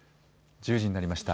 １０時になりました。